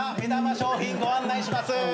商品ご案内します。